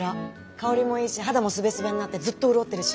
香りもいいし肌もすべすべになってずっと潤ってるし。